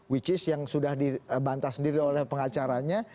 which is yang sudah dibantah sendiri oleh pengacaranya